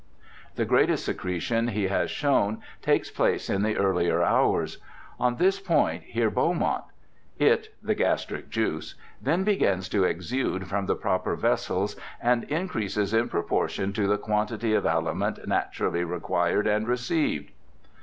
The greatest secretion, he has shown, takes place in the earlier hours. On this point hear Beaumont :' It (the gastric juice) then begins to exude from the proper vessels and increases in proportion to the quantity of aliment naturally required and received.'